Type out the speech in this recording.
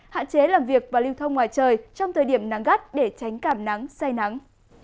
hạn chế làm việc và lưu thông ngoài trời trong thời điểm nắng gắt để tránh cảm nắng say nắng